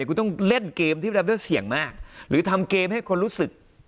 คุณต้องเล่นเกมที่ทำได้เสี่ยงมากหรือทำเกมให้คนรู้สึก